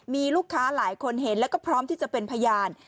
มีลูกค้าหลายคนเห็นแล้วก็พร้อมที่จะเป็นพยาน